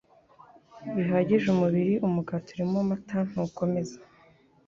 bihagije umubiri. Umugati urimo amata ntukomeza